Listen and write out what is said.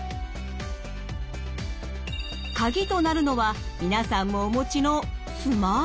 カギとなるのは皆さんもお持ちのスマートフォン？